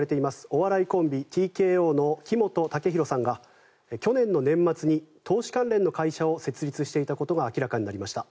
お笑いコンビ、ＴＫＯの木本武宏さんが去年の年末に投資関連の会社を設立していたことが明らかになりました。